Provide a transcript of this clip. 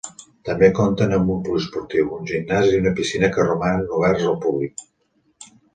També compten amb un poliesportiu, un gimnàs i una piscina que romanen oberts al públic.